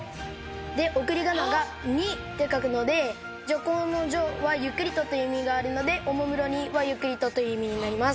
で送り仮名が「に」って書くので徐行の「徐」は「ゆっくりと」という意味があるので「徐に」は「ゆっくりと」という意味になります。